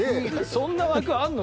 そんな枠あんの？